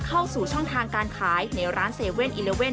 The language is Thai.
เข้าสู่ช่องทางการขายในร้าน๗๑๑